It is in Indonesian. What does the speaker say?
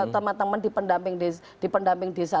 teman teman di pendamping desa